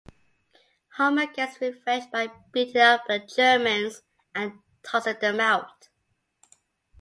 Homer gets revenge by beating up the Germans, and tossing them out.